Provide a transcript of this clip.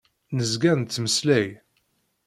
Nezga nettmeslay.